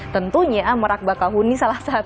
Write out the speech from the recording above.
tentunya merak bakahuni salah satu